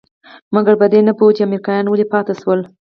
مګر په دې نه پوهېده چې امريکايان ولې پاتې شول.